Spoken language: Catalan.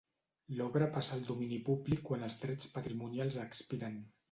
L'obra passa al domini públic quan els drets patrimonials expiren.